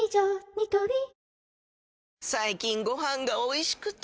ニトリ最近ご飯がおいしくて！